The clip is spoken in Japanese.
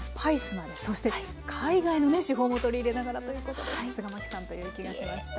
そして海外のね手法も取り入れながらということでさすが麻紀さんという気がしました。